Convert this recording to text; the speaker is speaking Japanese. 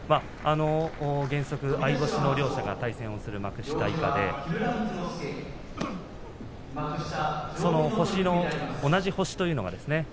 原則、相星の両者が対戦する幕下以下でその同じ星というのがですね